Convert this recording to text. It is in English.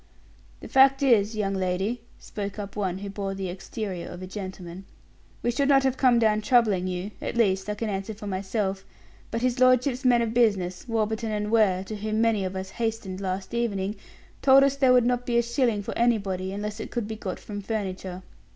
"The fact is, young lady," spoke up one who bore the exterior of a gentleman, "we should not have come down troubling you at least, I can answer for myself but his lordship's men of business, Warburton & Ware, to whom many of us hastened last evening, told us there would not be a shilling for anybody unless it could be got from furniture.